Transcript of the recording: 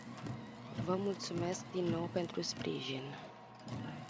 Vă mulțumesc din nou pentru sprijin.